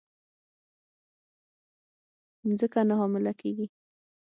مځکه نه حامله کیږې